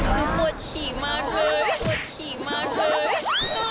ปวดฉีกมากเลยปวดฉีกมากเลย